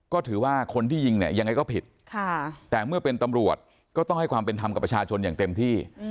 ก็ถือว่าคนที่ยิงเนี่ยยังไงก็ผิดแต่เมื่อเป็นตำรวจก็ต้องให้ความเป็นธรรมกับประชาชนอย่างเต็มที่